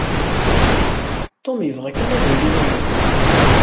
Tom yebɣa kan ad yili d ameddakkel-nwen.